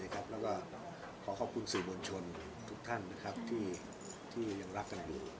แล้วก็ขอขอบคุณสื่อมวลชนทุกท่านที่ยังรักกันอยู่